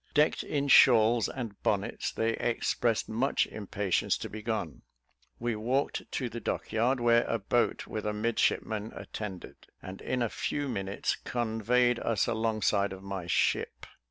Decked in shawls and bonnets, they expressed much impatience to be gone. We walked to the dock yard, where a boat with a midshipman attended, and in a few minutes conveyed us alongside of my ship.